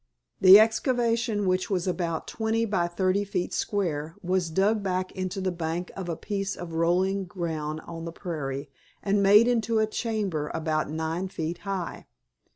The excavation, which was about twenty by thirty feet square, was dug back into the bank of a piece of rolling ground on the prairie, and made into a chamber about nine feet high.